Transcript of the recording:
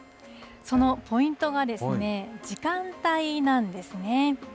そのポイントが、時間帯なんですね。